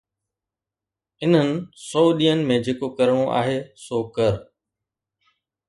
انهن سؤ ڏينهن ۾ جيڪو ڪرڻو آهي سو ڪر.